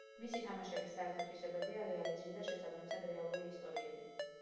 მისი თამაშების საერთო თვისებებია რეალიზმი და შესაბამისად რეალური ისტორიები.